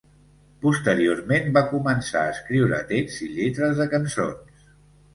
Posteriorment va començar a escriure texts i lletres de cançons.